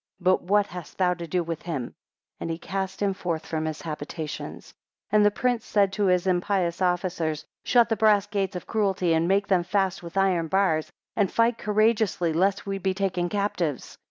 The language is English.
But what hast thou to do with him? 3 And he cast him forth from his habitations. 4 And the prince said to his impious officers, Shut the brass gates of cruelty, and make them fast with iron bars, and fight courageously, lest we be taken captives.